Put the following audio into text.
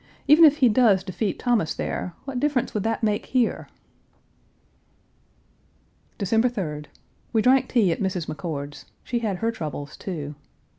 Even if he does defeat Thomas there, what difference would that make here?" December 3d. We drank tea at Mrs. McCord's; she had her troubles, too.